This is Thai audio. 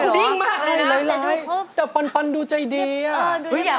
เป็นปานเทพครับ